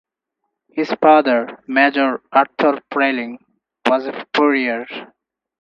His father, Major Arthur Frayling, was a furrier.